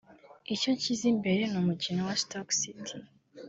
Icyo nshyize imbere ni umukino wa Stoke City